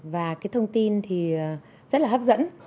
và cái thông tin thì rất là hấp dẫn